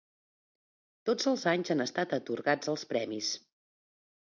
Tots els anys han estat atorgats els premis.